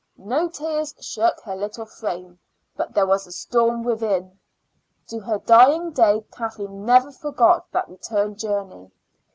No tears shook her little frame, but there was a storm within. To her dying day Kathleen never forgot that return journey.